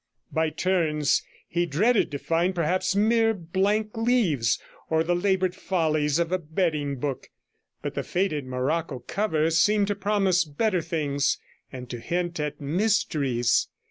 By turns he dreaded to find perhaps mere blank leaves, or the laboured follies of a betting book, but the faded morocco cover seemed to promise better things, and to hint at mysteries.